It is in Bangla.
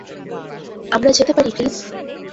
আমরা যেতে পারি প্লিজ?